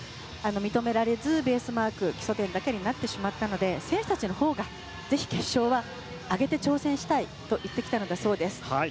認められず、ベースマーク基礎点だけになってしまったので選手たちのほうがぜひ決勝は上げて挑戦したいと言ってきたそうです。